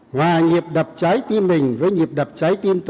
hòa nghiệp đập trái tim mình với nghiệp đập trái tim toàn dân tộc